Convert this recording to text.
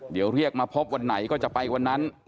เดี๋ยวเรียกมาพบวันไหนก็จะไปวันนั้น